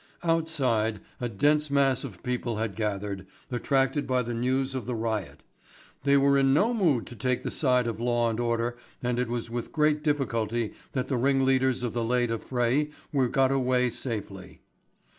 Outside a dense mass of people had gathered, attracted by the news of the riot. They were in no mood to take the side of law and order and it was with great difficulty that the ring leaders of the late affray were got away safely.